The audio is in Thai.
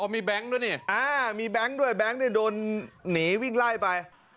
มีแบงค์ด้วยนี่มีแบงค์ด้วยแก๊งเนี่ยโดนหนีวิ่งไล่ไป